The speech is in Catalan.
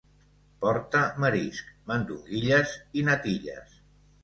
Porta marisc, mandonguilles i natilles